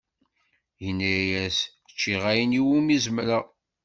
Yenna-yas ččiɣ ayen iwumi zemreɣ.